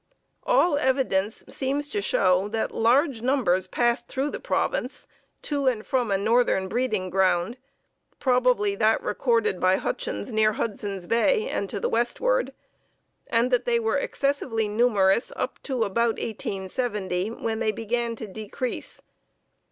All evidence seems to show that large numbers passed through the province to and from a northern breeding ground, possibly that recorded by Hutchins near Hudson's Bay and to the westward, and that they were excessively numerous up to about 1870, when they began to decrease.